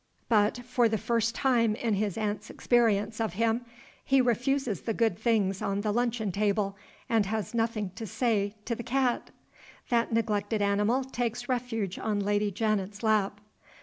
But for the first time in his aunt's experience of him he refuses the good things on the luncheon table, and he has nothing to say to the cat! That neglected animal takes refuge on Lady Janet's lap.